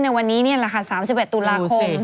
ในวันนี้นี่แหละค่ะ๓๑ตุลาคม